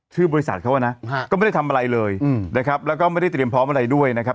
บริษัทเขาก็นะก็ไม่ได้ทำอะไรเลยนะครับแล้วก็ไม่ได้เตรียมพร้อมอะไรด้วยนะครับ